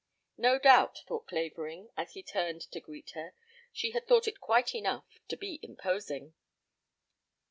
No doubt, thought Clavering, as he turned to greet her, she had thought it quite enough to be imposing.